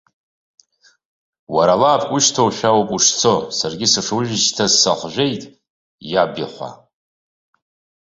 Уара алаапк ушьҭоушәа ауп ушцо, саргьы сышуажәшьҭаз сыхәжәеит, иабихәа.